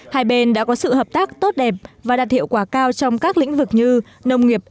hai bên đã có sự hợp tác tốt đẹp và đạt hiệu quả cao trong các lĩnh vực như nông nghiệp